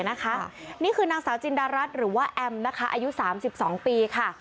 นะคะนี่คือนางสาวจินดารัสหรือว่าแอมนะคะอายุสามสิบสองปีค่ะ